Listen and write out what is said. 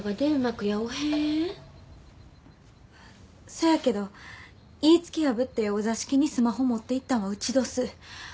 そやけど言い付け破ってお座敷にスマホ持っていったんはうちどす。